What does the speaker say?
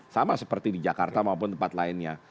sama seperti di jakarta maupun tempat lainnya